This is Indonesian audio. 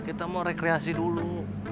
kita mau rekreasi dulu